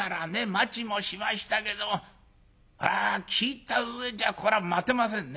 待ちもしましたけども聞いた上じゃこれは待てませんね」。